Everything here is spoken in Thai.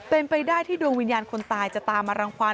เป็นไปได้ที่ดวงวิญญาณคนตายจะตามมารังความ